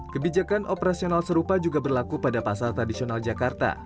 kebijakan operasional serupa juga berlaku pada pasar tradisional jakarta